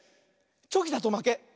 チョキだとまけ。